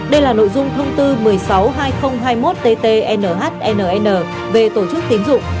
đây là nội dung thông tư một trăm sáu mươi hai nghìn hai mươi một ttnhnn về tổ chức tín dụng